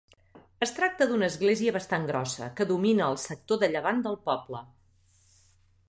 Es tracta d'una església bastant grossa, que domina el sector de llevant del poble.